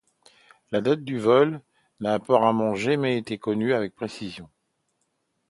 La date du vol n'a apparemment jamais été connue avec précision.